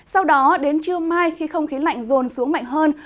sau đó đến trưa mai khi không khí lạnh rồn xuống mạnh hơn